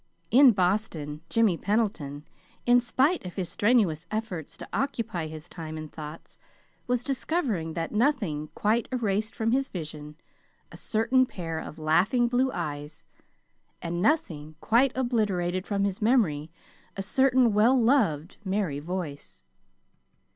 In Boston Jimmy Pendleton, in spite of his strenuous efforts to occupy his time and thoughts, was discovering that nothing quite erased from his vision a certain pair of laughing blue eyes, and nothing quite obliterated from his memory a certain well loved, merry voice.